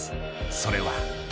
それは。